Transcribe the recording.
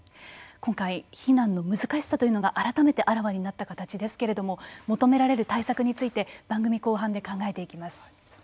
今回、避難の難しさというのが改めてあらわになった形ですけれども求められる対策について番組後半で考えていきます。